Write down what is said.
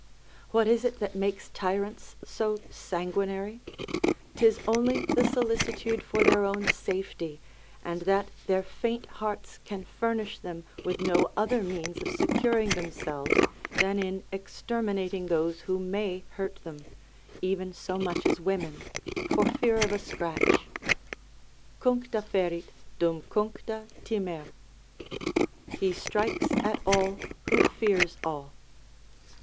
What is it that makes tyrants so sanguinary? 'Tis only the solicitude for their own safety, and that their faint hearts can furnish them with no other means of securing themselves than in exterminating those who may hurt them, even so much as women, for fear of a scratch: "Cuncta ferit, dum cuncta timer." ["He strikes at all who fears all."